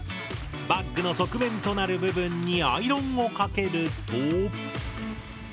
バッグの側面となる部分にアイロンをかけると。